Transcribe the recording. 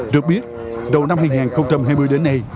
được biết từ đầu năm hai nghìn hai mươi đến nay